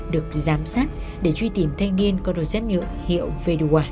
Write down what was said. được giám sát để truy tìm thanh niên có đồ dép nhựa hiệu v hai